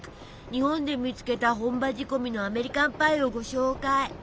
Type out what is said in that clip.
日本で見つけた本場仕込みのアメリカンパイをご紹介。